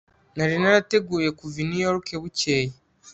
nari narateguye kuva i new york bukeye